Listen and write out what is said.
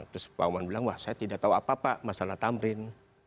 terus pak oman bilang wah saya tidak tahu apa apa masalah tamrin